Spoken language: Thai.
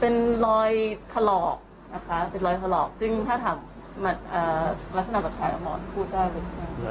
เป็นรอยทะลอกนะคะเป็นรอยทะลอกซึ่งถ้าถามลักษณะบัตรภัยของหมอนพูดได้เลย